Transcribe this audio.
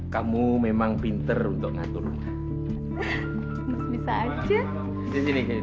kamu memang pinter untuk ngatur rumah bisa aja